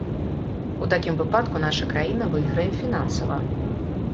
У такім выпадку наша краіна выйграе фінансава.